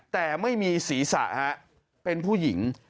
แต่ไม่มีศีรษะเป็นผู้หญิง